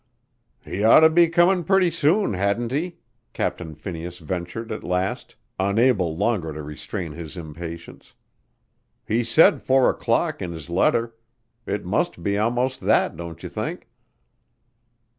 "He'd oughter be comin' pretty soon, hadn't he?" Captain Phineas ventured at last, unable longer to restrain his impatience. "He said four o'clock in his letter. It must be 'most that, don't you think?"